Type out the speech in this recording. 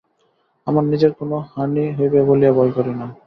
আমার নিজের কোন হানি হইবে বলিয়া ভয় করি না।